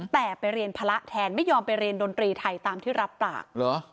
แต่ไปเรียนภาระแทนไม่ยอมไปเรียนดนตรีไทยตามที่รับปาก